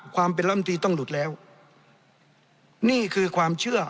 ความเป็นลำตีต้องหลุดแล้วนี่คือความเชื่อ